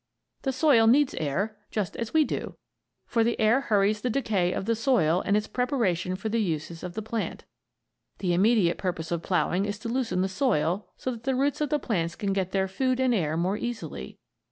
The soil needs air just as we do; for the air hurries the decay of the soil and its preparation for the uses of the plant. The immediate purpose of ploughing is to loosen the soil so that the roots of the plants can get their food and air more easily.